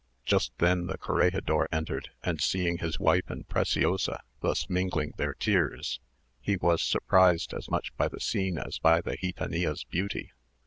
Just then the corregidor entered, and seeing his wife and Preciosa thus mingling their tears, he was surprised as much by the scene as by the gitanilla's beauty.